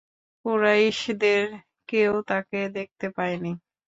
কুরাইশদের কেউ তাকে দেখতে পায় নি।